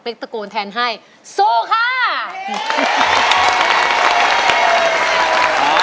เป็นตะโกนแทนให้สู้ค่ะ